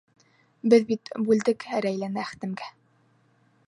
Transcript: Беҙ бит бүлдек Рәйләне Әхтәмгә.